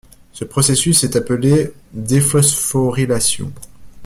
Ce processus est appelé déphosphorylation.